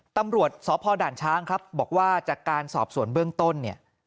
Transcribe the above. ตำรวจสพด่านช้างครับบอกว่าจากการสอบสวนเบื้องต้นเนี่ย